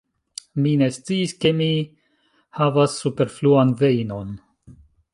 Mi ne sciis ke mi havas superfluan vejnon.